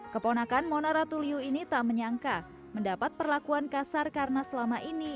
keponakan mona ratuliu ini tak menyangka mendapat perlakuan kasar karena selama ini